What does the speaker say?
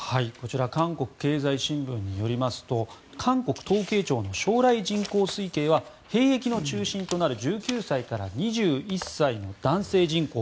韓国経済新聞によりますと韓国統計庁の将来人口推計は兵役の中心となる１９歳から２１歳の男性人口。